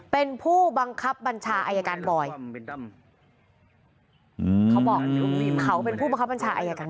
เป็นผู้บังคับบัญชาอายการบอยเขาบอกเขาเป็นผู้บังคับบัญชาอายการ